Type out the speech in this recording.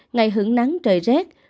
ngày hưởng nắng trời rét